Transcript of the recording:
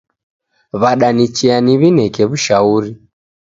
W'adanichea niw'ineke w'ushauri